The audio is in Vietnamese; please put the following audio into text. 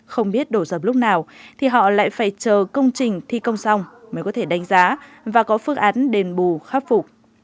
không biết đổ dập lúc nào thì họ lại phải chờ công trình thi công xong mới có thể đánh giá và có phương án đền bù khắc phục